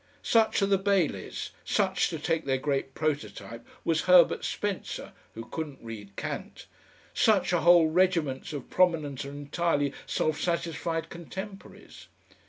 Such are the Baileys; such, to take their great prototype, was Herbert Spencer (who couldn't read Kant); such are whole regiments of prominent and entirely self satisfied contemporaries.